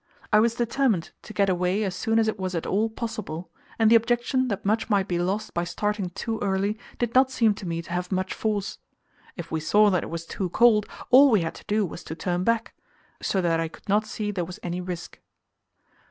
I was determined to get away as soon as it was at all possible, and the objection that much might be lost by starting too early did not seem to me to have much force. If we saw that it was too cold, all we had to do was to turn back; so that I could not see there was any risk.